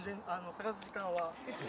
探す時間は。